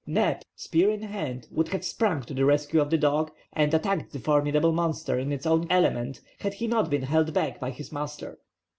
Neb, spear in hand, would have sprung to the rescue of the dog, and attacked the formidable monster in its own element, had he not been held back by his master.